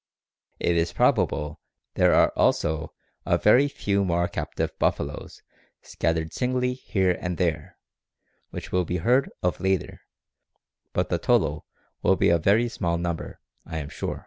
It is probable there are also a very few more captive buffaloes scattered singly here and there which will be heard of later, but the total will be a very small number, I am sure.